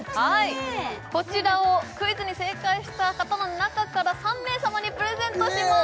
こちらをクイズに正解した方の中から３名様にプレゼントします